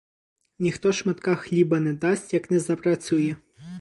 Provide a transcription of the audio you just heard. Ніхто шматка хліба не дасть, як не запрацює.